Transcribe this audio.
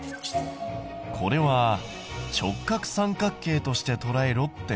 これは直角三角形としてとらえろってことだな。